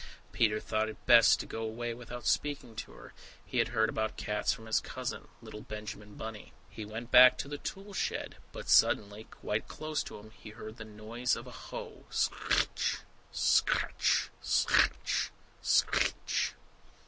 Peter thought it best to go away without speaking to her; he has heard about cats from his cousin, little Benjamin Bunny. He went back towards the toolshed, but suddenly, quite close to him, he heard the noise of a hoe scr r ritch, scratch, scratch, scritch.